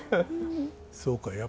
そうか。